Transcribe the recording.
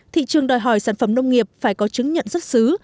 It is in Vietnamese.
thị trường đòi hỏi sản phẩm nông nghiệp phải có chứng nhận xuất xứ